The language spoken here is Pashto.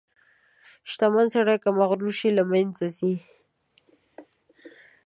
• شتمن سړی که مغرور شي، له منځه ځي.